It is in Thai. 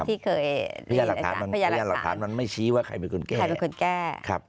พญานหลักฐานมันไม่ชี้ว่าใครเป็นคนแก้